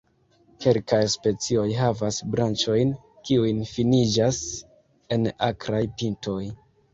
Kelkaj specioj havas branĉojn, kiuj finiĝas en akraj pintoj.